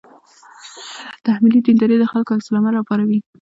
تحمیلي دینداري د خلکو عکس العمل راپاروي.